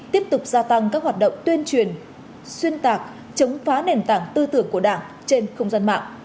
tiếp tục gia tăng các hoạt động tuyên truyền xuyên tạc chống phá nền tảng tư tưởng của đảng trên không gian mạng